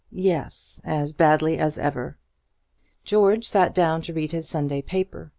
Yes, as badly as ever. George sat down to read his Sunday paper.